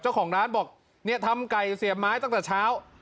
เจ้าของร้านบอกเนี่ยทำไก่เสียบไม้ตั้งแต่เช้า